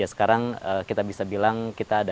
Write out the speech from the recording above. dan sekarang kita bisa bilang kita ada perusahaan